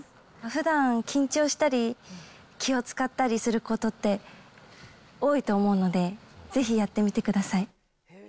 ふだん緊張したり、気を遣ったりすることって、多いと思うので、ぜひやってみてください。